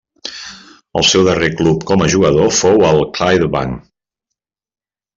El seu darrer club com a jugador fou el Clydebank.